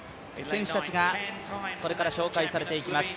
選手たちがこれから紹介されていきます。